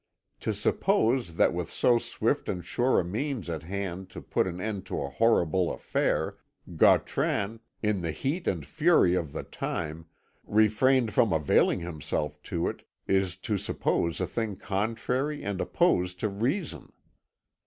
To suppose that with so swift and sure a means at hand to put an end to the horrible affair, Gautran, in the heat and fury of the time, refrained from availing himself of it, is to suppose a thing contrary and opposed to reason.